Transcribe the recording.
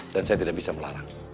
dan saya tidak bisa melarang